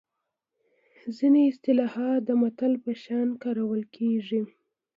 ځینې اصطلاحات د متل په شان کارول کیږي